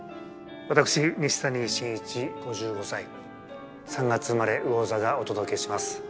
私西谷慎一５５歳３月生まれ魚座がお届けします。